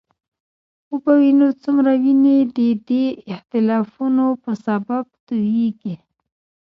وبه وینو څومره وینې د دې اختلافونو په سبب تویېږي.